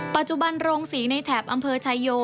ปัจจุบันโรงศรีในแถบอำเภอชายโย